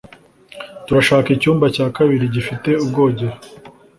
Turashaka icyumba cya kabiri gifite ubwogero.